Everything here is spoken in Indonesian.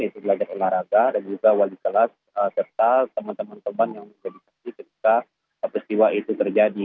itu belajar olahraga dan juga wali kelas serta teman teman teman yang bisa dikasih ketika peristiwa itu terjadi